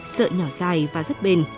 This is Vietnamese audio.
sợi nhỏ dài và rất bền